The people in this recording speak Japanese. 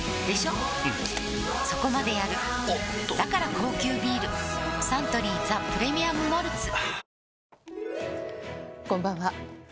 うんそこまでやるおっとだから高級ビールサントリー「ザ・プレミアム・モルツ」はぁーこんばんは。